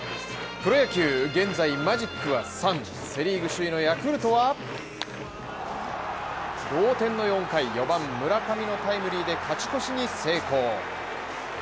プロ野球、現在マジック３セ・リーグ首位のヤクルトは４回、４番村上のタイムリーで勝ち越しに成功。